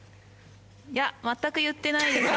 いや全く言ってないですね。